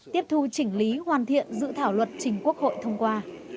tiếp thu chỉnh lý hoàn thiện dự thảo luật chỉnh quốc hội thông qua